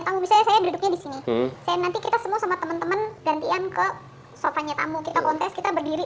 tamu bisa saya duduknya disini nanti kita dengan teman teman gantian ke sofa nya tamu kita berdiri